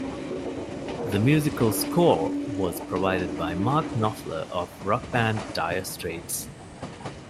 The musical score was provided by Mark Knopfler of rock band Dire Straits.